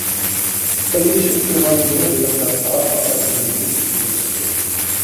سەكرىشىپ تۇرغان يېڭى بېلىقلار ئارقا- ئارقىدىن مۇز ئۈستىگە چىقتى.